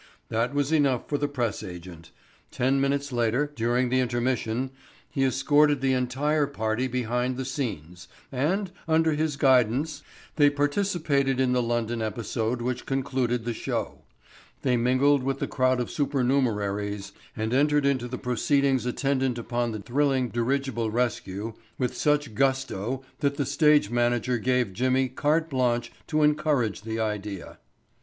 That was enough for the press agent. Ten minutes later, during the intermission, he escorted the entire party behind the scenes, and, under his guidance, they participated in the London episode which concluded the show. They mingled with the crowd of supernumeraries and entered into the proceedings attendant upon the thrilling dirigible rescue with such gusto that the stage manager gave Jimmy carte blanche to encourage the idea.